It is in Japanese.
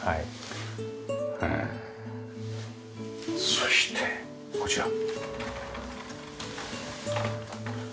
そしてこちら。